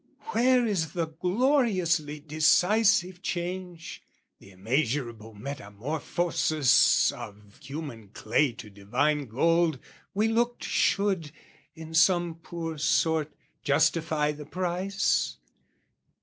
Where is the gloriously decisive change, The immeasurable metamorphosis Of human clay to divine gold, we looked Should, in some poor sort, justify the price?